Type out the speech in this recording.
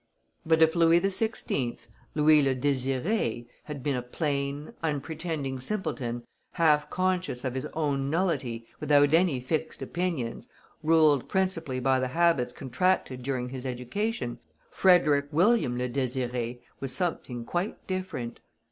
But if Louis XVI., "Louis le Désiré," had been a plain, unpretending simpleton, half conscious of his own nullity, without any fixed opinions, ruled principally by the habits contracted during his education, "Frederick William le Désiré" was something quite different.